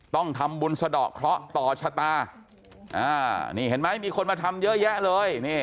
ต้องทำบุญสะดอกเคราะห์ต่อชะตานี่เห็นไหมมีคนมาทำเยอะแยะเลย